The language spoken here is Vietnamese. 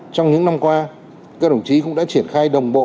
trong những năm qua các đồng chí cũng đã triển khai đồng bộ